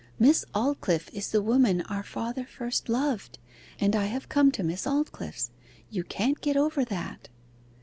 Miss Aldclyffe is the woman our father first loved, and I have come to Miss Aldclyffe's; you can't get over that.